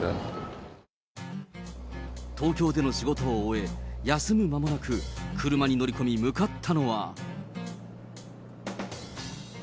東京での仕事を終え、休む間もなく車に乗り込み、向かったのは。